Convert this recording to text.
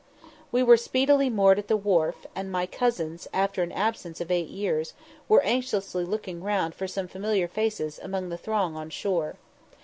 We were speedily moored at the wharf, and my cousins, after an absence of eight years, were anxiously looking round for some familiar faces among the throng on the shore.